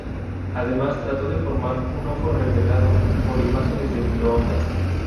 Además, trató de formar un ojo revelado por imágenes de microondas.